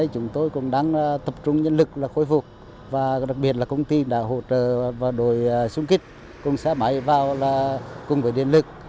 chúng tôi cũng đang tập trung nhân lực khôi phục và đặc biệt là công ty đã hỗ trợ và đội xung kích cùng xe máy vào cùng với điện lực